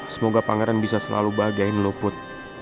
semoga pangeran bisa selalu bahagiain lo put